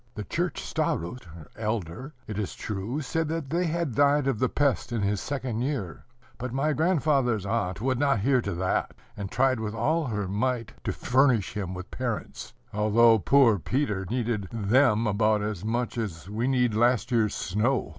The church starost, it is true, said that they had died of the pest in his second year; but my grandfather's aunt would not hear to that, and tried with all her might to furnish him with parents, although poor Peter needed them about as much as we need last year's snow.